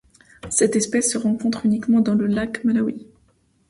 Cette espèce ce rencontre uniquement dans le lac Malawi.